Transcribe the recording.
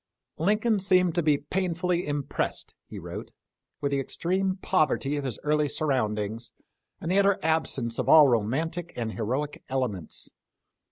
" Lincoln seemed to be painfully impressed," he wrote, " with the extreme poverty of his early sur roundings, and the utter absence of all romantic and heroic elements.